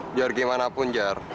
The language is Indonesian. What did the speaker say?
ujar gimana pun ujar